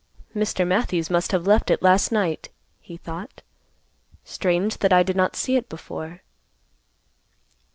"Mr. Matthews must have left it last night," he thought. "Strange that I did not see it before."